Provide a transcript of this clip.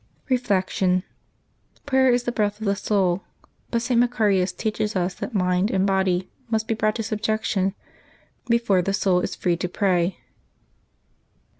Reflection. — Prayer is the breath of the soul. But St. Maearius teaches us that mind and body must be brought to subjection before the soul is free to pray.